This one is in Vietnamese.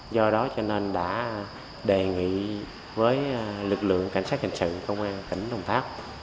do đó cho nên đã đề nghị với lực lượng cảnh sát hình sự công an tỉnh đồng tháp